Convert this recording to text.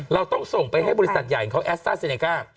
เราต้องส่งไปให้บริษัทใหญ่ของเขาแอสต้าเซเนก้า